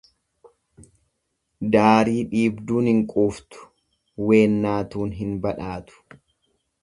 Daarii dhiibduun hin quuftu, weennaatuun hin badhaatu.